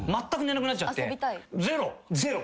ゼロ。